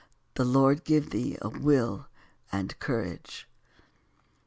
The Lord give thee a will and a courage.